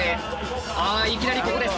あっいきなりここです。